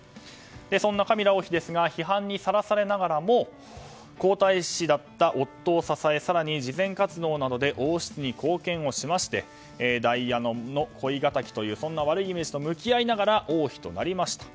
そんなカミラ王妃ですが批判にさらされながらも皇太子だった夫を支え更に、慈善活動などで王室に貢献をしましてダイアナの恋敵という悪いイメージと向き合いながら王妃となりました。